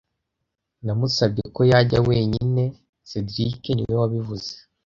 Namusabye ko yajya wenyine cedric niwe wabivuze